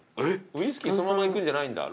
ウイスキーそのままいくんじゃないんだ。